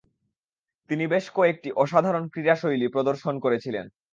তিনি বেশ কয়েকটি অসাধারণ ক্রীড়াশৈলী প্রদর্শন করেছিলেন।